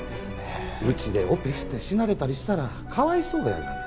うちでオペして死なれたりしたらかわいそうやがな。